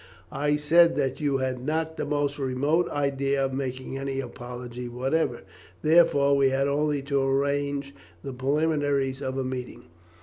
"I said that you had not the most remote idea of making any apology whatever. Therefore, we had only to arrange the preliminaries of a meeting.